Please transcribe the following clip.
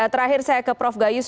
terakhir saya ke prof gayus